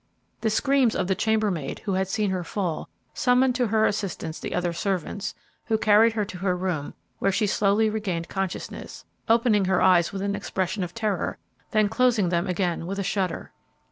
The screams of the chambermaid, who had seen her fall, summoned to her assistance the other servants, who carried her to her room, where she slowly regained consciousness, opening her eyes with an expression of terror, then closing them again with a shudder.